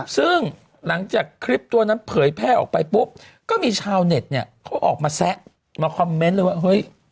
ซึ่งหลังจากคลิปตัวนั้นเผยแพร่ออกไปปุ๊บก็มีชาวเน็ตเนี่ยเขาออกมาแซะมาคอมเมนต์เลยว่าเฮ้ย